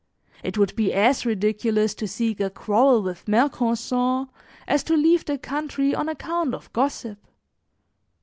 It would be as ridiculous to seek a quarrel with Mercanson, as to leave the country on account of gossip.